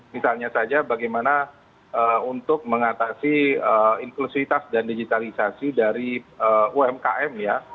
misalnya saja bagaimana untuk mengatasi inklusivitas dan digitalisasi dari umkm ya